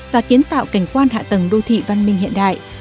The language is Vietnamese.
và kiến tạo cảnh quan hạ tầng đô thị văn minh hiện đại